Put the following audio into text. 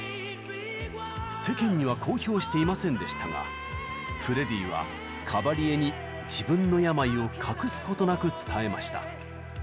世間には公表していませんでしたがフレディはカバリエに自分の病を隠すことなく伝えました。